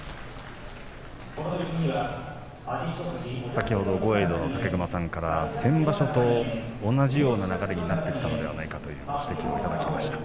先ほど武隈さんから先場所と同じような流れになってきたのではないかという指摘を受けました。